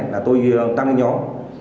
là tôi tăng lên nhóm